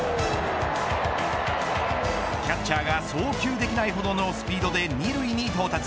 キャッチャーが送球できないほどのスピードで２塁に到達。